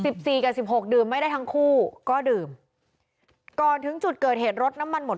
สิบสี่กับสิบหกดื่มไม่ได้ทั้งคู่ก็ดื่มก่อนถึงจุดเกิดเหตุรถน้ำมันหมด